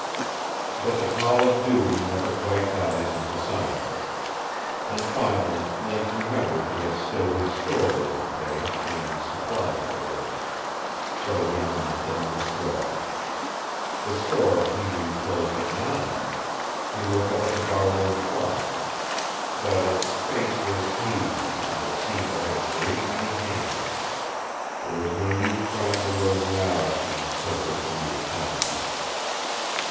But the call of duty never quite dies into silence. And finally Link remembered he had still his store bill to pay and his supplies to order. So he announced that he must go. The store, he knew, closed at nine. He looked up at the barroom clock. But its face was hazy and it seemed to have a great many hands. There was no use trying to learn the hour from so dissolute a timepiece.